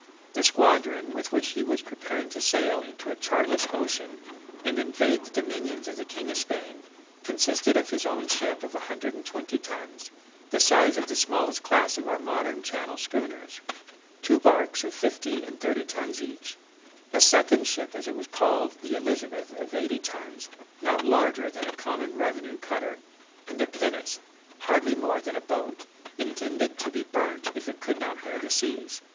The squadron, with which he was preparing to sail into a chartless ocean and invade the dominions of the King of Spain, consisted of his own ship, of a hundred and twenty tons, the size of the smallest class of our modern Channel schooners, two barques of fifty and thirty tons each, a second ship as it was called, the Elizabeth, of eighty tons, not larger than a common revenue cutter, and a pinnace, hardly more than a boat, intended to be burnt if it could not bear the seas.